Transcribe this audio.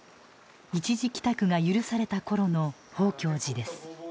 一時帰宅が許されたころの宝鏡寺です。